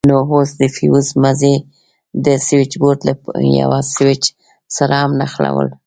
نو اوس د فيوز مزي د سوېچبورډ له يوه سوېچ سره هم نښلوو.